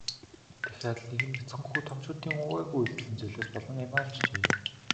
Дахиад л нэгэн бяцхан хүү томчуудын увайгүй үйлдлийн золиос болон амиа алджээ.